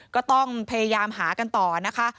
ก็ต้องพยายามหากันต่อนะคะ